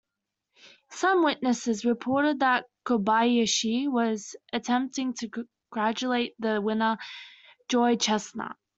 Some witnesses reported that Kobayashi was attempting to congratulate the winner, Joey Chestnut.